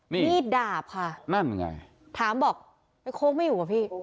นี่ดาบค่ะนั่นไงถามบอกโค้กไม่อยู่เหรอพี่